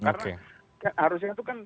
karena harusnya itu kan